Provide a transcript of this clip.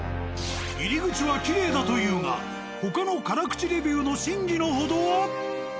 入り口はきれいだと言うが他の辛口レビューの真偽のほどは？